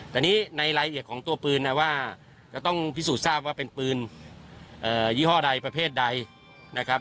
แต่นี่ในรายละเอียดของตัวปืนนะว่าจะต้องพิสูจน์ทราบว่าเป็นปืนยี่ห้อใดประเภทใดนะครับ